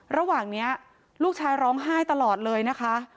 ระหว่างนี้ลูกชายร้องไห้ตลอดเลยนะคะ